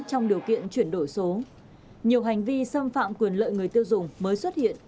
trong điều kiện chuyển đổi số nhiều hành vi xâm phạm quyền lợi người tiêu dùng mới xuất hiện